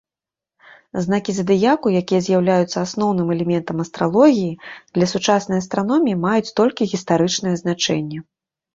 Знакі задыяку, якія з'яўляюцца асноўным элементам астралогіі, для сучаснай астраноміі маюць толькі гістарычнае значэнне.